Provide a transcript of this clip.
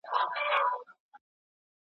د وینې جوړولو تخنیک نوي پرمختګونه لري.